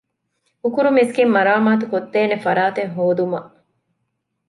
ހުކުރު މިސްކިތް މަރާމާތުކޮށްދޭނެ ފަރާތެއް ހޯދުމަށް